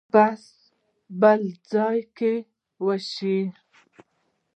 بحث بل ځای کې وشي.